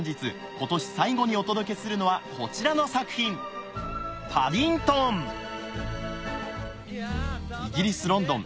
今年最後にお届けするのはこちらの作品イギリス・ロンドン。